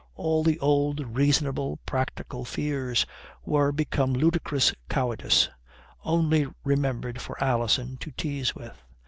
All the old, reasonable, practical fears were become ludicrous cowardice, only remembered for Alison to tease with.